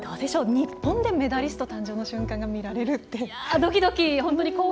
日本でメダリスト誕生の瞬間が見られるって。